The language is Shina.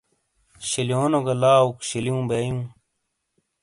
شِیلیونو گہ لاؤک شِیلیوں بیئوں۔